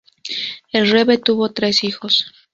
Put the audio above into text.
El rebe tuvo tres hijos.